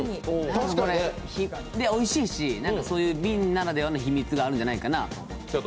おいしいし、そういう瓶ならではの秘密があるんじゃないかなと。